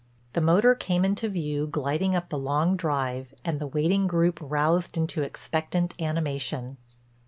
The motor came into view gliding up the long drive and the waiting group roused into expectant animation.